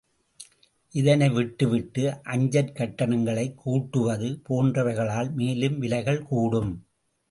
இதனை விட்டு விட்டு அஞ்சற் கட்டணங்களைக் கூட்டுவது, போன்றவைகளால் மேலும் விலைகள் கூடும்.